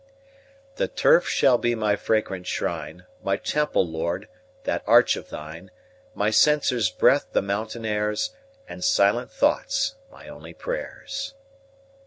The turf shall be my fragrant shrine; My temple, Lord! that arch of thine; My censer's breath the mountain airs, And silent thoughts my only prayers.